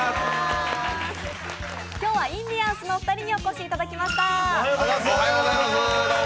今日はインディアンスのお二人にお越しいただきました。